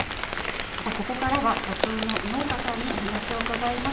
ここからは社長の苗加さんにお話を伺います。